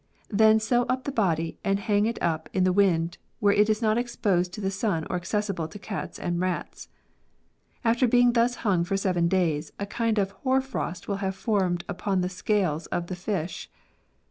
Then sew up the body and hang it up in the mnd where it is not exposed to the sun or accessible to cats and rats. After being thus hung for seven days, a kind of hoar frost will have formed upon the scales of the fish.